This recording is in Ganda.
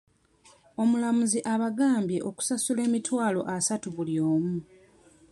Omulamuzi abagambye okusasula emitwalo asatu buli omu.